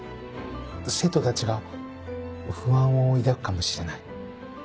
生徒たちが不安を抱くかもしれない。